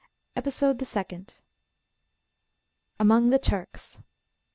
EPISODE THE SECOND, AMONG "THE TURKS" I.